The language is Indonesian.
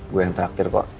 gue yang traktir kok